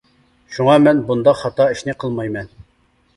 شۇڭا مەن بۇنداق خاتا ئىشنى قىلمايمەن.